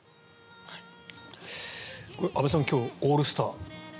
安部さん今日オールスター。